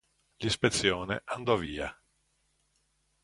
L'ispezione andò via.